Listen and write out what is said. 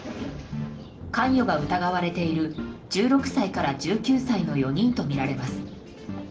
関与が疑われている、１６歳から１９歳の４人とみられます。